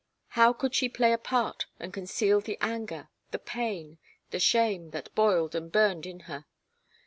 How could she play a part and conceal the anger, the pain, the shame that boiled and burned in her?